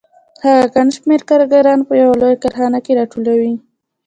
هغه ګڼ شمېر کارګران په یوه لویه کارخانه کې راټولوي